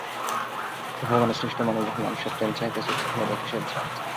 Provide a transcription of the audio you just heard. ভগবানের সৃষ্ট মানুষ যখন মানুষের প্রেম চাহিতেছে তখনই বা কিসের জাত!